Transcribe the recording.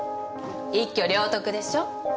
一挙両得でしょ？